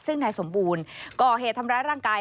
ซึ่งนายสมบูรณ์ก่อเหตุทำร้ายร่างกาย